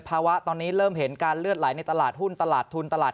ภาวะตอนนี้เริ่มเห็นการเลือดไหลในตลาดหุ้นตลาดทุนตลาด